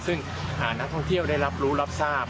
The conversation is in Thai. ซึ่งนักท่องเที่ยวได้รับรู้รับทราบ